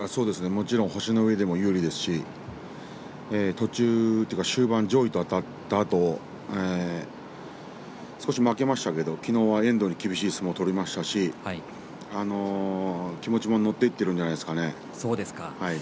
もちろん星の上でも有利ですし終盤、上位とあたったあと少し負けましたけれども昨日、遠藤に厳しい相撲を取りましたし気持ちも乗っていっているんじゃないですかね。